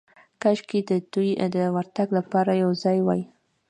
کاشکې د دوی د ورتګ لپاره یو ځای وای.